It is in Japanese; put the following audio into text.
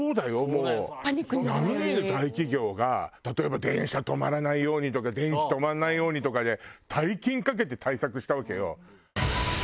もう並み居る大企業が例えば電車止まらないようにとか電気止まらないようにとかで大金かけて対策したわけよ。